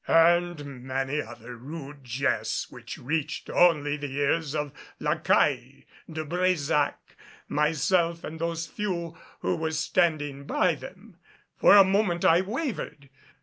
And many other rude jests which reached only the ears of La Caille, De Brésac, myself and those few who were standing by them. For a moment I wavered.